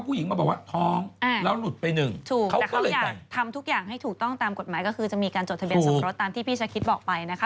เขาอยากทำทุกอย่างให้ถูกต้องตามกฎหมายก็คือจะมีการจดทะเบนสำรสตร์ตามที่พี่ชะคริสบอกไปนะคะ